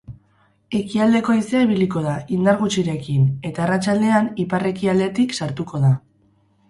Ekialdeko haizea ibiliko da, indar gutxirekin, eta arratsaldean ipar-ekialdetik sartuko da.